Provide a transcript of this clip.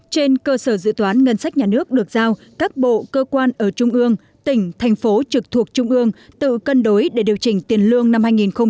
trên cơ sở dự toán ngân sách nhà nước được giao các bộ cơ quan ở trung ương tỉnh thành phố trực thuộc trung ương tự cân đối để điều chỉnh tiền lương năm hai nghìn hai mươi